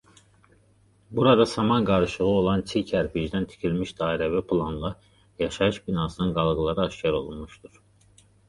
Burada saman qarışığı olan çiy kərpicdən tikilmiş dairəvi planlı yaşayış binasının qalıqları aşkar olunmuşdur.